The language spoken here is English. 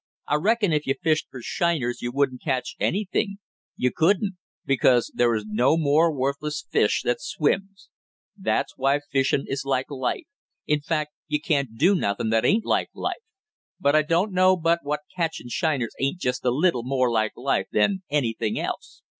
I reckon if you fished for shiners you wouldn't catch anything, you couldn't because there is no more worthless fish that swims! That's why fishing is like life; in fact, you can't do nothing that ain't like life; but I don't know but what catching shiners ain't just a little bit more like life than anything else!